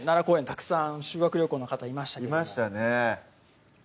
たくさん修学旅行の方いましたいましたね